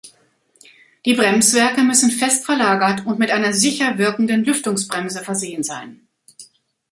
Die Bremswerke müssen fest verlagert und mit einer sicher wirkenden Lüftungsbremse versehen sein.